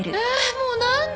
もう何で。